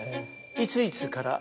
「いついつから」